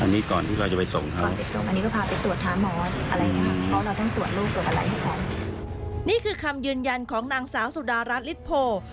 นี่คือคำยืนยันของนางสาวสุดารัฐฤทธโพ